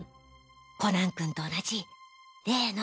コナン君と同じ例の。